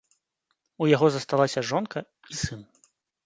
У яго засталася жонка і сын.